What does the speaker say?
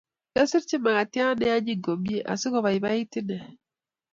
Kyasirchi makatiat neanyiny komnyei asigobaibait ine